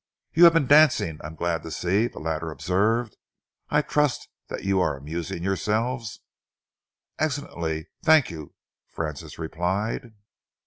"You have been dancing, I am glad to see," the latter observed. "I trust that you are amusing yourselves?" "Excellently, thank you," Francis replied.